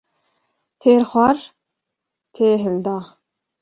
Têr xwar tê hilda